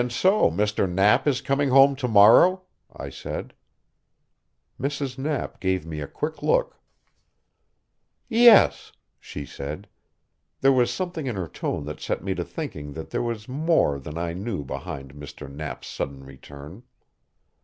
"And so Mr. Knapp is coming home to morrow?" I said. Mrs. Knapp gave me a quick look. "Yes," she said. There was something in her tone that set me to thinking that there was more than I knew behind Mr. Knapp's sudden return.